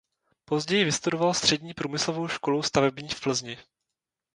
Později vystudoval Střední průmyslovou školu stavební v Plzni.